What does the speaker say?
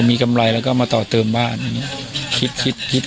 มีกำไรแล้วก็มาต่อเติมบ้านอย่างนี้